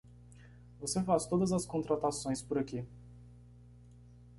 Você faz todas as contratações por aqui.